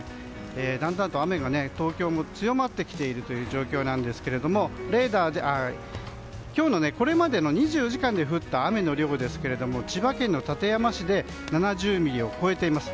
だんだんと雨が東京も強まってきている状況ですが今日のこれまでの２４時間で降った雨の量ですが千葉県の館山市で７０ミリを超えています。